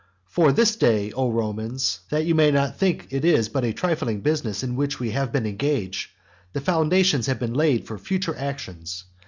For this day, O Romans, (that you may not think it is but a trifling business in which we have been engaged,) the foundations have been laid for future actions.